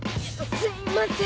すいません